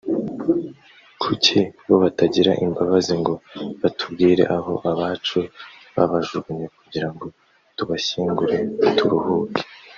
kuki bo batagira imbabazi ngo batubwire aho abacu babajugunye kugira ngo tubashyingure turuhuke